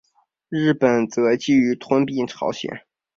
日本则觊觎吞并朝鲜。